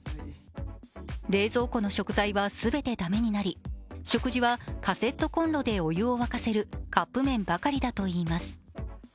冷蔵庫の食材はすべて駄目になり食事はカセットこんろでお湯を沸かせるカップ麺ばかりだといいます。